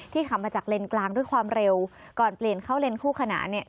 ขับมาจากเลนกลางด้วยความเร็วก่อนเปลี่ยนเข้าเลนคู่ขนานเนี่ย